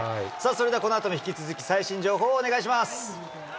このあとも引き続き、最新情報をお願いします。